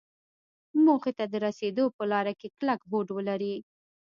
موخې ته د رسېدو په لاره کې کلک هوډ ولري.